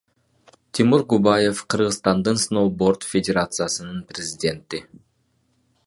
Тимур Губаев — Кыргызстандын сноуборд федерациясынын президенти.